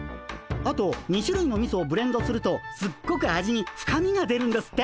あと２しゅるいのみそをブレンドするとすっごく味に深みが出るんですって。